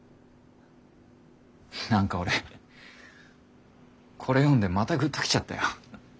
何か俺これ読んでまたグッときちゃったよ。